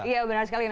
iya benar sekali